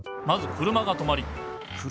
車が止まり。